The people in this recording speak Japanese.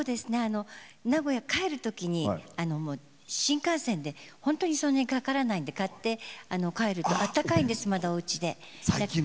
名古屋、帰るときに新幹線で本当にそんなにかからないんで買ってあったかいんです、まだおうちで。